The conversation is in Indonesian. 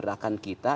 ada dalam gerakan kita